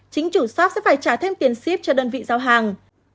chính chủ shop sẽ phải trả thêm tiền ship cho đơn vị giao hàng